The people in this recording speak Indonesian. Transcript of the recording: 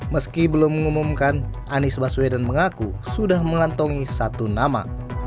meski belum mengumumkan anies baswedan mengaku sudah mengantongi satu nama